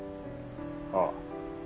ああ。